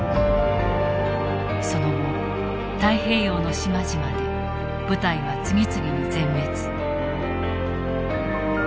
その後太平洋の島々で部隊は次々に全滅。